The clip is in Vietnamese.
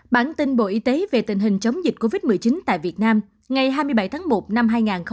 bản tin bộ y tế về tình hình chống dịch covid một mươi chín tại việt nam ngày hai mươi bảy tháng một năm hai nghìn hai mươi